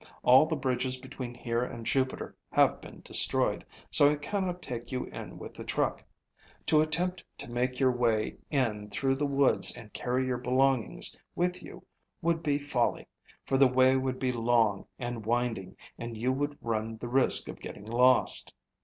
All the bridges between here and Jupiter have been destroyed, so I cannot take you in with the truck. To attempt to make your way in through the woods and carry your belongings with you would be folly, for the way would be long and winding and you would run the risk of getting lost.